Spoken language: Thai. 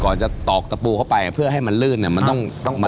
ก่อนจะตอบตะปูเข้าไปเพื่อให้มันลื่นนะ